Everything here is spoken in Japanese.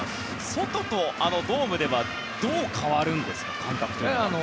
外とドームではどう変わるんですか、感覚は。